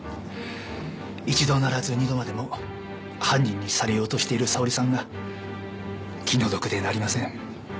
一度ならず二度までも犯人にされようとしている沙織さんが気の毒でなりません。